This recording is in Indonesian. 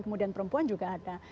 kemudian perempuan juga ada